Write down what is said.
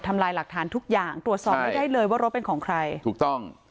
ลายหลักฐานทุกอย่างตรวจสอบไม่ได้เลยว่ารถเป็นของใครถูกต้อง